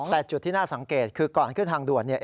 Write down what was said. แต่จุดที่น่าสังเกตคือก่อนขึ้นทางด่วนเนี่ย